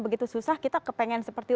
begitu susah kita kepengen seperti